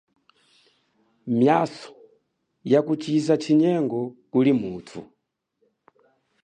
Miaso ya kushiza chinyengo kuli mutu.